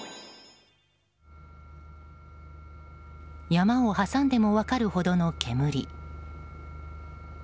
山を挟んでも分かるほどの煙。